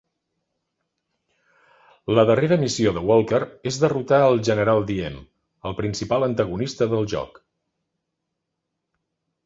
La darrera missió de Walker es derrotar el General Diem, el principal antagonista del joc.